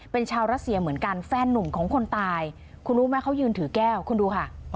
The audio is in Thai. เป็นชาวรัสเซียเหมือนกันแฟนนุ่มของคนตายคุณรู้ไหมเขายืนถือแก้วคุณดูค่ะ